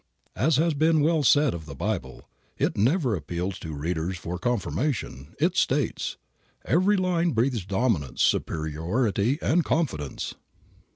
As has been well said of the Bible, "It never appeals to readers for confirmation. It states. Every line breathes dominance, superiority and confidence."